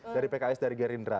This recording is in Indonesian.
dari pks dari gerindra